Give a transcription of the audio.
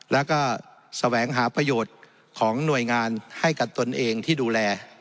แล้วก็แสวงหาประโยชน์ของหน่วยงานให้กับตนเองที่ดูแล